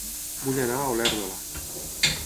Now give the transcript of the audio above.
Vull anar a Olèrdola